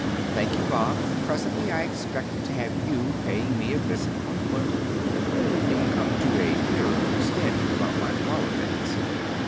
"Thank you, Bob; presently I expect to have you paying me a visit on foot, when we can come to a clearer understanding about my flower beds."